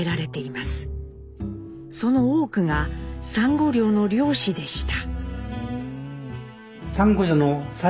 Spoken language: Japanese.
その多くがサンゴ漁の漁師でした。